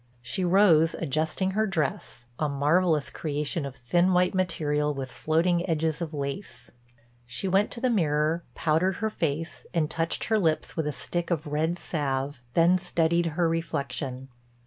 She rose adjusting her dress, a marvelous creation of thin white material with floating edges of lace. She went to the mirror, powdered her face and touched her lips with a stick of red salve, then studied her reflection.